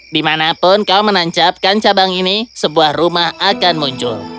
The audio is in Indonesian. dimanapun kau menancapkan cabang ini sebuah rumah akan muncul